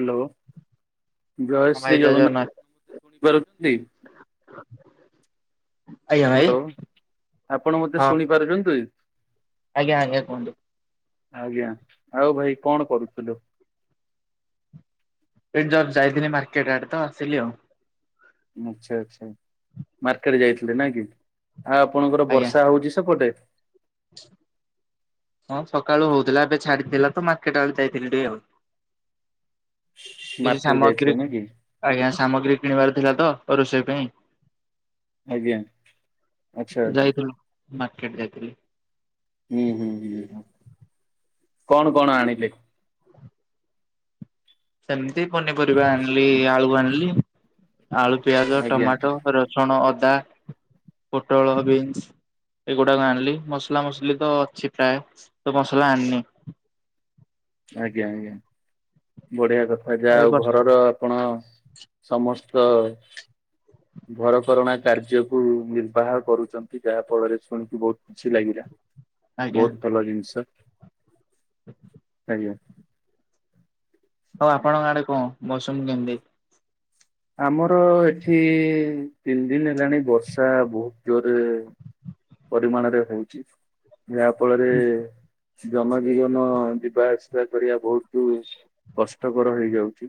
Hello ଜୟ ଶ୍ରୀ ଜଗନ୍ନାଥ [inaudible] ଶୁଣି ପାରୁ ଛନ୍ତି। [unintelligible] ଭାଇ ହ୍ୟାଲୋ ଆପଣ ମତେ ହଁ ଶୁଣି ପାରୁଛନ୍ତି? ଆଜ୍ଞା ଆଜ୍ଞା କୁହନ୍ତୁ। ଆଜ୍ଞା, ଆଉ ଭାଇ କଣ କରୁଥିଲୁ? [unintelligible] ଯାଇଥିଲି ମାର୍କେଟ ଆଡ଼େ ତ ଆସିଲି ଆଉ। ଆଚ୍ଛା, ଆଚ୍ଛା ମାର୍କେଟ ଯାଇଥିଲେ ନାଇକି ଆଉ ଆପଣଙ୍କର ଆଜ୍ଞା। ବର୍ଷା ହଉଛି ସେପଟେ? [unintelligible] ହଁ ସକାଳୁ ହୋଉଥିଲା ଏବେ ଛାଡିଥିଲା ତ ମାର୍କେଟ ଆଡ଼େ ଯାଇଥିଲି ଟିକେ ଆଉ। କିଛି ମାର୍କେଟ ଯାଇଥିଲେ ସାମଗ୍ରୀ ନା କି [inaudible] ଆଜ୍ଞା ସାମଗ୍ରୀ କିଣିବାର ଥିଲା ତୋ ରୋଷେଇ ପାଇଁ। ଆଜ୍ଞା। ଆଚ୍ଛା ଯାଇଥିଲୁ ମାର୍କେଟ ଯାଇଥିଲୁ। ହୁଁ ହୁଁ ହୁଁ ହୁଁ [inaudible] କଣ କଣ ଆଣିଲେ? ସେମତି ପନିପରିବା ଆଣିଲି, ଆଳୁ ଆଣିଲି ଆଳୁ, ପିଆଜ, ଆଜ୍ଞା ଟମାଟୋ, ର ରସୁଣ, ଅଦା, ପୋଟଳ, ବିନସ। ଏଗୁଡ଼ାକ ଆଣିଲି ମସଲା ମସିଲି ତୋ ଅଛି ପ୍ରାୟ ତୋ ମସଲା ଆଣିନି। ଆଜ୍ଞା ଆଜ୍ଞା ବଢିଆ କଥା ଯାହା ଏ ଆଉ ବର୍ଷ ଘରର ଆପଣ ସମସ୍ତ ଘରକରଣା କାର୍ଯ୍ୟକୁୁ ନିର୍ବାହ କରୁଛନ୍ତି, ଯାହା ଫଳରେ ଶୁଣିକି ବହୁତ କିଛି ଲାଗିଲା ବହୁତ ଭଲ ଜିନିଷ। ହ [inaudible] ଆଜ୍ଞା। ଆଉ ଆପଣଙ୍କ ଆଡେ କଣ ମୌସୁମୀ କେମିତି? ଆମର ଏଠି ତିନି ଦିନି ହେଲାଣି ବର୍ଷା ବହୁତ ଜୋରରେ ପରିମାଣରେ ହଉଛି ଯାହା ଫଳରେ ଜନଜୀବନ ଯିବା ଆସିବା କରିବା ବହୁତ କଷ୍ଟକର ହେଇଯାଉଛି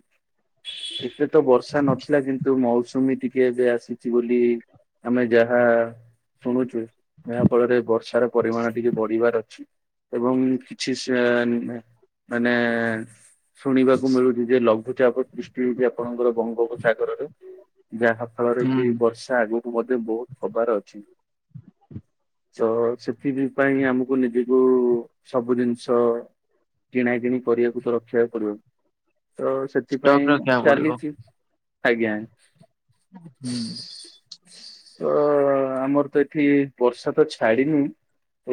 ଏତେ ତ ବର୍ଷା ନଥିଲା କିନ୍ତୁ ମୌସୁମୀ ଟିକେ [unintelligible] ଏବେ ଆସିଛି ବୋଲି ଆମେ ଯାହା ଶୁଣୁଛୁ। ଯାହା ଫଳରେ ବର୍ଷାର ପରିମାଣ ଟିକେ ବଢିବାର ଅଛି। ଏବଂ କିଛିସାନ ମାନେ ଶୁଣିବାକୁ ମିଳୁଛି ଯେ ଲଘୁଚାପ ସୃଷ୍ଟି ହେଉଛି ଆପଣଙ୍କର ବଙ୍ଗୋପସାଗରରେ ଯାହା ଫଳରେ ହୁଁ। କି ବର୍ଷା ବର୍ଷା ଆଗକୁ ମଧ୍ୟ ବହୁତ ହବାର ଅଛି। ତ ସେଥି ବି ପାଇଁ ଆମକୁ ନିଜକୁ ସବୁ ଜିନିଷ କିଣାକିଣି କରିବାକୁ ତ ରଖି ବାକୁପଡିବ ତ ଷ୍ଟକ୍ ସେଥିପାଇଁ ରଖିବାକୁ ପଡିବ ଚାଲିଛି। ଆଜ୍ଞା। ହୁଁ [inaudible] ତ ଆମର ତ ଏଠି ବର୍ଷା ତ ଛାଡିିନି।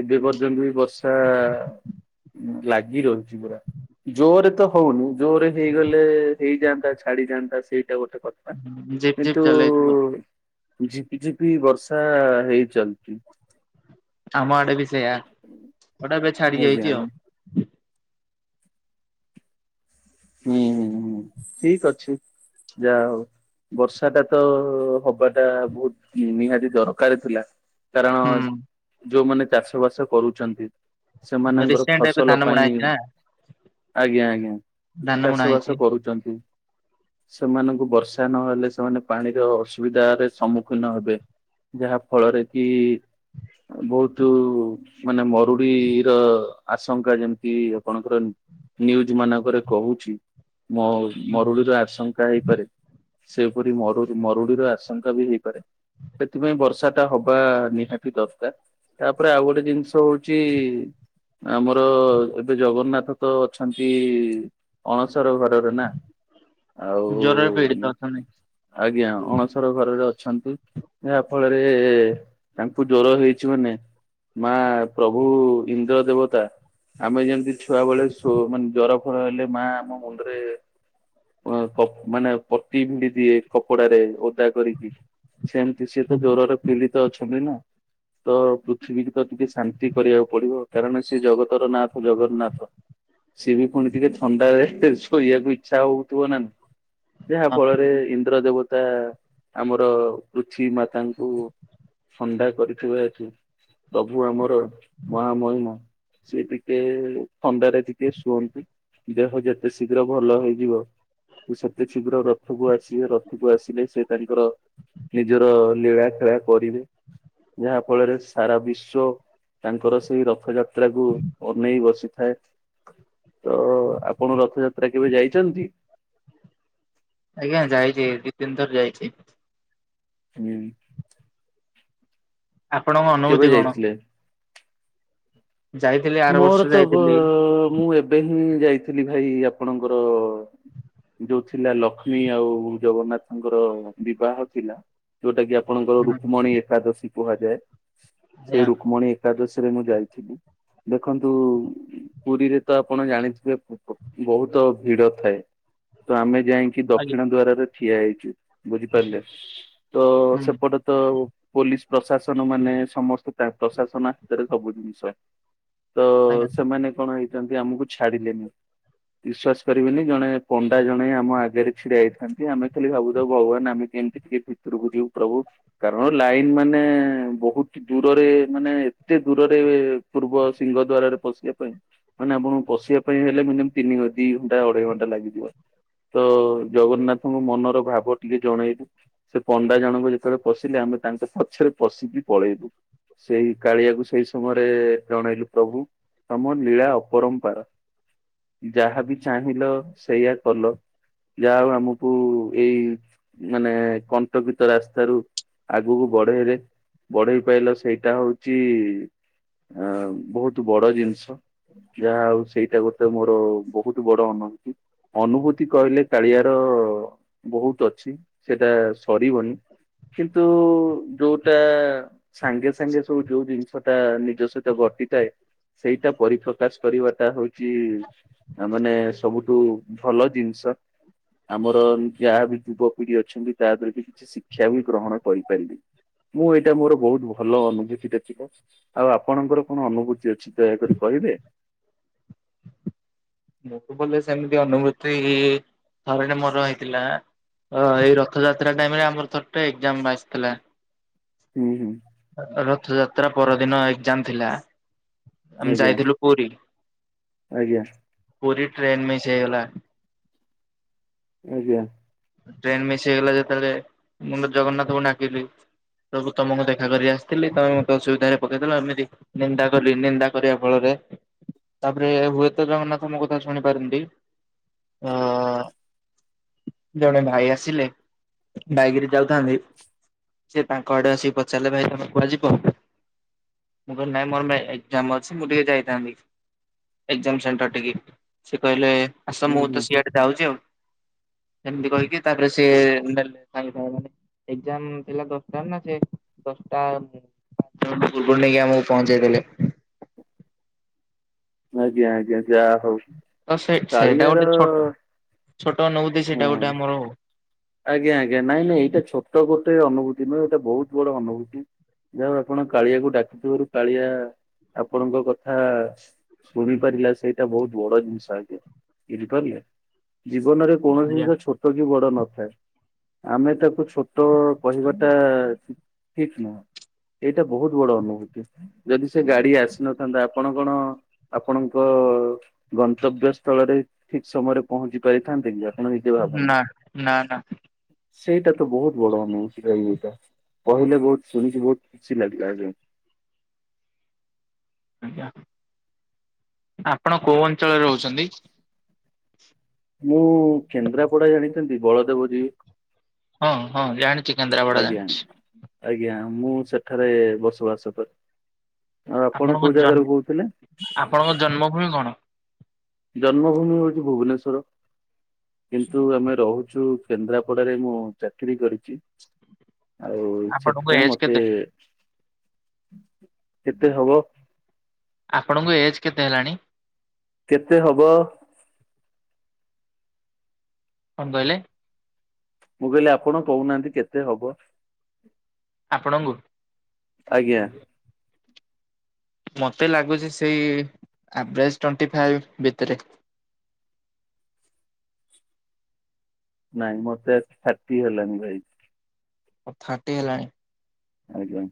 ଏବେ ପର୍ଯ୍ୟନ୍ତ ବି ବର୍ଷା ଲାଗି ରହିଛି ପୁରା। ଜୋରରେ ତ ହଉନି, ଜୋରରେ ହେଇଗଲେ ହେଇଯାନ୍ତା ଛାଡିଯାଆନ୍ତା, ସେଇଟା ଗୋଟେ କଥ ଥା, ହୁଁ ଜିପ୍ ଜିପ୍ କିନ୍ତୁ ଚଲେଇଥିବ ଝିପିଝିପି ବର୍ଷା ହେଇ ଚାଲିଚି। ଆମ ଆଡେ ବି ସେଇଆା, [unintelligible] ଏବେ ଛାଡି ଆଜ୍ଞା ଯାଇଚି ଆଉ। ହୁଁ, ହୁଁ, ହୁଁ ଠିକ ଅଛି ଯା ହଉ। ବର୍ଷାଟା ତ ହବା ଟା ବହୁତ ନିହାତି ଦରକାର ଥିଲା। କାରଣ ହୁଁ ଯୋଉମାନେ ଚାଷ ବାସ କରୁଛନ୍ତି ସେମାନଙ୍କର ରିସେଣ୍ଟ ଏବେ ଫସଲ ଧାନ ବୁଣା ପାଇଁ ହେଇଛି ନା ଆଜ୍ଞା ଆଜ୍ଞା ଧାନ ବୁଣା ଚାଷ ହେଇଛି। ବାସ କରୁଚନ୍ତି। ସେମାନଙ୍କୁ ବର୍ଷା ନହେଲେ ସେମାନେ ପାଣିର ଅସୁବିଧାରେ ସମ୍ମୁଖୀନ ହେବେ। ଯାହା ଫଳରେ କି ବହୁତୁ ମାନେ ମରୁଡି ର ଆଶଙ୍କା ଯେମିତି ଆପଣଙ୍କର ନ୍ୟୁଜ୍ ମାନଙ୍କରେ କହୁଛି ମ- ମରୁଡିର ଆଶଙ୍କା ହେଇପାରେ। ସେପରି ମରୁରେ ମରୁଡିର ଆଶଙ୍କା ବି ହେଇପାରେ, ସେଥିପାଇଁ ବର୍ଷା ଟା ହବା ନିହାତି ଦରକାର ତାପରେ ଆଉ ଗୋଟେ ଜିନିଷ ହଉଛି ଆମର ଏବେ ଜଗନ୍ନାଥ ତ ଅଛନ୍ତି ଅଣସର ଘରରେ ନା। ଆଉ ଜ୍ୱର ରେ ପୀଡ଼ିତ ଅଛନ୍ତି। ଆଜ୍ଞା ଅଣସର ଘରରେ ଅଛନ୍ତି। ଯାହା ଫଳରେ ତାଙ୍କୁ ଜ୍ଵର ହେଇଛି ମାନେ ମା ପ୍ରଭୁ ଇନ୍ଦ୍ର ଦେବତା ଆମେ ଯେମିତି ଛୁଆ ବେଳେ ସୁ-ମାନେ ଜର ଫର ହେଲେ ମା ଆମ ମୁଣ୍ଡରେ ମା ପ-ମାନେ ପଟି ଭିଡି ଦିଏ କପଡାରେ ଓଦା କରିକି ସେମିତି ସିଏ ହଁ। ତ ଜ୍ୱର ରେ ପୀଡିତ ଅଛନ୍ତି ନା। ତ ପୃଥିବୀକୁ ତ ଟିକେ ଶାନ୍ତି କରିବାକୁ ପଡିବ କାରଣ ସେ ଜଗତର ନାଥ ଜଗନ୍ନାଥ। ସିଏ ବି ପୁଣି ଟିକେ ଥଣ୍ଡାରେ ସେ ଶୋଇବାକୁ ଇଚ୍ଛା ହଉଥିବ ନା, ଯାହା ଫଳରେ ଇନ୍ଦ୍ର ଦେବ ତା ଆମର ପୃଥିବୀ ମାତାଙ୍କୁ ଥଣ୍ଡା କରିଥିବା ଅଛି, ପ୍ରଭୁ ଆମର ମହାମହିମ ସିଏ ଟିକେ ଥଣ୍ଡାରେ ଟିକେ ଶୁଅନ୍ତି। ଦେହ ଯେତେ ଶୀଘ୍ର ଭଲ ହେଇଯିବ। ସେ ସେତେ ଶୀଘ୍ର ରଥକୁ ଆସିବେ ରଥକୁ ଆସିଲେ ସେ ତାଙ୍କର ନିଜର ଲୀଳା ଖେଳା କରିବେ, ଯାହା ଫଳରେ ସାରା ବିଶ୍ଵ ତାଙ୍କର ସେଇ ରଥଯାତ୍ରାକୁ ଅନେଇ ବସିଥାଏ। ତ ଆପଣ ରଥଯାତ୍ରା କେବେ ଯାଇଛନ୍ତି? ଆଜ୍ଞା ଯାଇଚି ଦି ତିନି ଥର ଯାଇଛି। [unintelligible] ଆପଣଙ୍କ କେବେ ଅନୁଭୂତି କଣ? ଯାଇଥିଲେ? ଯାଇଥିଲେ ମୋର ତ ବ-ମୁଁ ଏବେ ହିଁ ଯାଇଥିଲି ଭାଇ ଆପଣଙ୍କର ଯୋଉ ଥିଲା ଲକ୍ଷ୍ମୀ ଆଉ ଜଗନ୍ନାଥଙ୍କର ବିବାହ ଥିଲା। ଯୋଉଟା କି ଆପଣଙ୍କର ହୁଁ ରୁକ୍ମମଣୀ ଏକାଦଶୀ କୁହାଯାଏ, ସେ ଆଜ୍ଞା ରୁକ୍ମମଣୀ ଏ କାଦଶୀ ରେ ମୁଁ ଯାଇଥିଲି। ଦେଖନ୍ତୁ ପୁରୀରେ ତ ଆପଣ ଜାଣିଥିବେ ବହୁତ ଭିଡ ଥାଏ। ତ ଆମେ ଯାଇକି ଆଜ୍ଞା ଦକ୍ଷିଣ ଦ୍ୱାରରେ ଠିଆ ହେଇଛୁ, ବୁଝିପାରିଲେ, ତ ହୁଁ ସେପଟେ ତ ପୋଲିସ୍ ପ୍ରଶାସନ ମାନେ ସମସ୍ତେ ତା ପ୍ରଶାସନା ହାତରେ ସବୁ ଜିନିଷ। ତ ଆଜ୍ଞା। ସେମାନେ କଣ ହେଇଛନ୍ତି ଆମକୁ ଛାଡିଲେନି। ବିସ୍ଵାଶ କରିବେନି ଜଣେ ପଣ୍ଡା ଜଣେ ଆମ ଆଗରେ ଛିଡା ହୋଇଥାନ୍ତି ଆମେ ଖାଲି ଭାବୁଥାଉ ଭଗବାନ ଆମେ କେମତି। ଟିକେ ଭିତରକୁ ଯିବୁ ପ୍ରଭୁ। କାରଣ ଲାଇନ ମାନେ ବହୁତ ଦୂରରେ ମାନେ ଏତେ ଦୂରରେ ପୂର୍ବ। ସିଂହ ଦ୍ୱାରରେ ପଶିବା ପାଇଁ। ମାନେ ଆପଣଙ୍କୁ ପଶିବା ପାଇଁ ହେଲେ ମିନିମମ୍ ତିନି ଦି ଘଣ୍ଟା ଅଢେଇ ଘଣ୍ଟା ଲାଗିଯିବ। ତ ଜଗନ୍ନାଥଙ୍କୁ ମନର ଭାବ ଟିକେ ଜଣେଇଲୁ। ସେ ପଣ୍ଡା ଜଣକ ଯେତେବେଳେ ପଶିଲେ ଆମେ ତାଙ୍କ ପଛରେ ପଶିକି ପଳେଇଲୁ। ସେଇ କାଳିଆକୁ ସେଇ ସମୟରେ ଜଣେଇଲୁ। ପ୍ରଭୁ ତମ ନିଳା ଅପରମ୍ପାର। ଯାହାବି ଚାହିଁଲ ସେଇଆ କଲ। ଯା ହଉ ଆମକୁ ଏଇ ମାନେ କଣ୍ଟକିତ ରାସ୍ତାରୁ। ଆଗକୁ ବଢେଇଲେ ବଢେଇ ପାଇଲ ସେଇଟା ହଉଛି ଆ। ବହୁତ ବଡ ଜିନିଷ ଯାହା ହଉ ସେଇଟା ଗୋଟେ ମୋର ବହୁତ ବଡ ଅନୁଭୁତି। ଅନୁଭୂତି କହିଲେ କାଳିଆର ବହୁତ ଅଛି ସେଟା ସରିବନି। କିନ୍ତୁ ଯୋଉଟା। ସାଙ୍ଗେ ସାଙ୍ଗେ ସବୁ ଯୋଉ ଜିନିଷ ଟା ନିଜ ସହିତ ଘଟିଥାଏ। ସେଇଟା ପରିପ୍ରକାଶ କରିବାଟା ହଉଛି। ଆ ମାନେ ସବୁଠୁ ଭଲ ଜିନିଷ। ଆମର ଯାହା ବି ଯୁବପିଢି ଅଛନ୍ତି ତା ଧିଅରୁ ବି କିଛି ଶିକ୍ଷା ବି ଗ୍ରହଣ କରିପାରିବେ। ମୁଁ ଏଇଟା ମୋର ବହୁତ ଭଲ ଅନୁଭୂତିଟା ଥିଲା ଆଉ ଆପଣଙ୍କର। କଣ ଅନୁଭୂତି ଅଛି ଦୟାକରି କହିବେ। ମୁ କୁ ବୋଲି ସେମିତି ଅନୁଭୂତି ଥରେଟେ ମୋର ହେଇଥିଲା। ହଁ ଏଇ ରଥଯାତ୍ରା ଟାଇମ ରେ ଆମର ଥରେଟେ ଏକ୍ଜାମ ଆସିଥିଲା। ହୁଁ ହୁଁ। ରଥଯାତ୍ରା ପରଦିନ ଏକ୍ଜାମ ଥିଲା ଆମେ ଆଜ୍ଞା ଯାଇଥିଲୁ ପୁରୀ। ଆଜ୍ଞା। ପୁରୀ ଟ୍ରେନ ମିସ ହେଇଗଲା। ଆଜ୍ଞା। ଟ୍ରେନ ମିସ୍ ହେଇଗଲା ଯେତେବେଳେ ମୁଁ ତ ଜଗନ୍ନାଥଙ୍କୁ ଡାକିଲି। ପ୍ରଭୁ ତମକୁ ଦେଖା କରି ଆସିଥିଲି ତମେ ମୋତେ ଅସୁବିଧାରେ ପକେଇଦେଲ ଏମିତି। ନିନ୍ଦା କଲି ନିନ୍ଦା କରିବା ଫଳରେ। ତାପରେ ହୁଏତ ଜଗନ୍ନାଥ ମୋ କଥା ଶୁଣିପାରନ୍ତି ଅ ଜଣେ ଭାଇ ଆସିଲେ ବାଇକ୍ ରେ ଯାଉଥାନ୍ତି। ସେ ତାଙ୍କ ଆଡେ ଆସିକି ପଚାରିଲେ ଭାଇ ତମେ କୁଆଡେ ଯିବ। ମୁଁ କହିଲି ନାଇଁ ମୋର ସେ ଏକ୍ଜାମ ଅଛି ମୁଁ ଟିକେ ଯାଇଥାନ୍ତି। ଏକ୍ଜାମ ସେଣ୍ଟର ଟିକେ ସେ କହିଲେ ଆସ ମୁଁ ହୁଁ ହୁଁ ତ ସିଆଡେ ଯାଉଛି ଆଉ। ସେମିତି କହିକି ତାପରେ ସିଏ ନେଲେ ସାଙ୍ଗେ ସାଙ୍ଗେ ମାନେ। ଏକ୍ଜାମ ଥିଲା ଦଶଟା ରେ ନା ସିଏ ଦଶଟା ଆମ୍ ପାଞ୍ଚ ମିନିଟ୍ ପୂବରୁ ନେଇକି ଆମକୁ ପହଞ୍ଚେଇ ଦେଲେ। ଆଜ୍ଞା ଆଜ୍ଞା ଯା ହଉ ତ ସେ ସେଇଟା କାଳିଆ ଗୋଟେ ର। ଛୋଟ ଛୋଟ ଅନୁଭୁତି ସେଇଟା ଗୋଟେ ଆମର। ଆଜ୍ଞା ଆଜ୍ଞା ନାଇଁ ନାଇଁ ଏଇଟା ଛୋଟ ଗୋଟେ ଅନୁଭୂତି ନୁହଁ ଏଇଟା ବହୁତ ବଡ ଅନୁଭୂତି। ଯୋଉ ଆପଣ କାଳିଆକୁ ଡାକିଥିବାରୁ କାଳିଆ ଆପଣଙ୍କ କଥା। ଶୁଣି ପାରିଲା ସେଇଟା ବହୁତ ବଡ ଜିନିଷ ଆଜ୍ଞା ବୁଝିପାରିଲେ। ଜୀବନରେ କୌଣସି ଆଜ୍ଞା ଜିନିଷ ଛୋଟ କି ବଡ ନଥାଏ। ଆମେ ତାକୁ ଛୋଟ କହିବା ଟା ଠିକ ନୁହଁ। ଏଇଟା ବହୁତ ବଡ ଅନୁଭୂତି ଯଦି ସେ ଗାଡି ଆସିନଥାନ୍ତା ଆପଣ କଣ। ଆପଣଙ୍କ ଗନ୍ତବ୍ୟ ସ୍ଥଳରେ ଠିକ ସମୟରେ ପହଞ୍ଚି ପାରିଥାନ୍ତେ ଯ ନା ନା ନା ସେଇଟା ତ ବହୁତ ବଡ ଆଉଛି ରହ ଏଇଟା କହିଲେ ବହୁତ ଶୁଣିିକି ବହୁତ ଖୁସି ଲାଗିଲା। ଆଜ୍ଞା ଆପଣ କୋଉ ଅଞ୍ଚଳରେ ରହୁଛନ୍ତି? ମୁଁ କେନ୍ଦ୍ରାପଡା ଜାଣିଛନ୍ତି ବଳଦେବ ଜୀଉ। ହଁ ହଁ ଜାଣିଛି କେନ୍ଦ୍ରାପଡା ଜାଣିଛି। ଆଜ୍ଞା ମୁଁ ସେଠାରେ ବସବାସ କରେ। ଆଉ ଆପଣ ଆପଣଙ୍କ କୋଉ ଜନ୍ ଜାଗାରୁ କହୁଥିଲେ? ଆପଣଙ୍କ ଜନ୍ମଭୂମି କଣ? ଜନ୍ମଭୂମି ହଉଛି ଭୁବନେଶ୍ଵର କିନ୍ତୁ ଆମେ ରହୁଛୁ। କେନ୍ଦ୍ରାପଡାରେ ମୁଁ ଚାକିରି କରିଛି। ଆଉ ଆପଣଙ୍କ ସେଥିପାଇଁ ଏଜ୍ ମତେ କେତେ? କେତେ ହବ। ଆପଣଙ୍କ ଏଜ୍ କେତେ ହେଲାଣି? କେତେ ହବ। କଣ କହିଲେ? ମୁଁ କହିଲି ଆପଣ କହୁନାହାନ୍ତି କେତେ ହବ? ଆପଣଙ୍କୁ ଆଜ୍ଞା। ମତେ ଲାଗୁଛି ସେଇ ଆଭରେଜ ଟ୍ୱେଟି ଫାଇବ ଭିତରେ। ନାଇଁ ମତେ ଷାଠିଏ ହେଲାଣି ଭାଇ। ଥାଟି ହେଲାଣି? ଆଜ୍ଞା।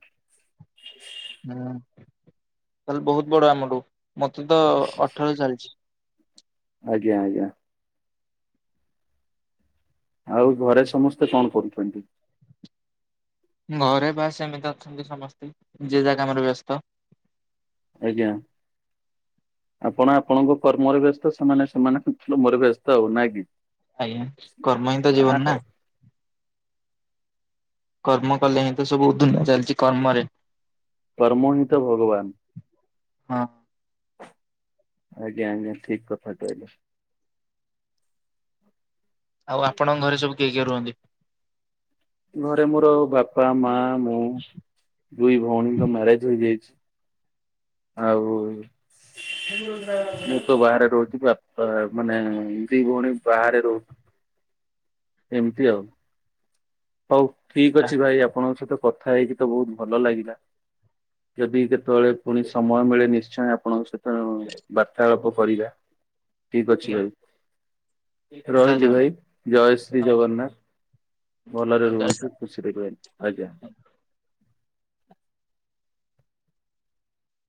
ହୁଁ ତାହେଲେ ବହୁତ ବଡ ଆମଠୁ ମତେ ତ ଅଠର ଚାଲିଛି। ଆଜ୍ଞା ଆଜ୍ଞା। ଆଉ ଘରେ ସମସ୍ତେ କଣ କରୁଛନ୍ତି? ଘରେ ବାସ୍ ଏମିତି ଅଛନ୍ତି ସମସ୍ତେ ଯିଏ ଯାଗକା ଆମରେ ବ୍ୟସ୍ତ। ଆଜ୍ଞା। ଆପଣ ଆପଣଙ୍କ କର୍ମରେ ବ୍ୟସ୍ତ ସେମାନେ ସେମାନେ ମର ବ୍ୟସ୍ତ ଆଉ ନାଇଁ କି ଆଜ୍ଞା କର୍ମ ହିଁ ତ ଆ ଜୀବନ ନା। ହଉ କର୍ମ କଲେ ହିଁ ତ ସବୁତ ଧୁନିଆ ଚାଲିଛି କର୍ମରେ। କର୍ମ ହିଁ ତ ଭଗବାନ। ହଁ। ଆଜ୍ଞା ଆଜ୍ଞା ଠିକ କଥାଟି କହିଲେ। ଆଉ ଆପଣଙ୍କ ଘରେ ସବୁ କିଏ କିଏ ରୁହନ୍ତି? ଘରେ ମୋର ବାପା ମା ମୁଁ ଦୁଇ ଭଉଣୀଙ୍କ ମ୍ୟାରେଜ ହେଇଯାଇଛି। ଆଉ ମୁଁ ତ ବାହାରେ ରହୁଛି। ବାପା ମାନେ ଦି ଭଉଣୀ ବାହାରେ ରହୁ ଏମିତି ଆଉ। ହଉ ଠିକ୍ ଅଛି ଭାଇ ଆପଣଙ୍କସତ କଥା ହେଇକି ତ ବହୁତ୍ ଭଲ ଲାଗିଲା। ଯଦି କେତେଳେ ପୁଣି ସମୟ ମିଳେ ନିଶ୍ଚୟ ଆପଣଙ୍କ ସତ ବାର୍ତ୍ତାଳାପ କରିବା ଠିକ୍ ଅଛି ଆଜ୍ଞା ଭାଇ। ଜୟ ରହିଲି ଜଗନ୍ନାଥ ଭାଇ ଜୟ ଶ୍ରୀ ଜଗନ୍ନାଥ୍। ଭଲରେ ଜୟ ଜଗନ୍ନାଥ। ରୁହନ୍ତୁ ଖୁସିରେ ରୁହ। ଆଜ୍ଞା।